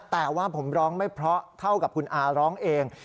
แต่ว่าผมร้องไม่เพราะเท่ากับคุณอาร้องเอง